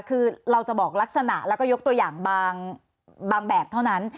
คือเราจะบอกลักษณะแล้วก็ยกตัวอย่างบางแบบเท่านั้น